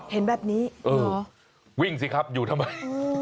เห็นแบบนี้วิ่งสิครับอยู่ทำไม